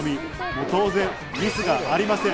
当然ミスがありません。